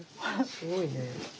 すごいね。